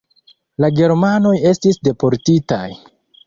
La germanoj estis deportitaj.